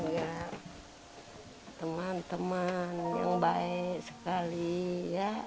ya teman teman yang baik sekali ya